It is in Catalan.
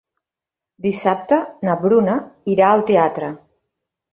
Dissabte na Bruna irà al teatre.